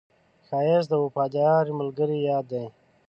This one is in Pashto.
ښایست د وفادار ملګري یاد دی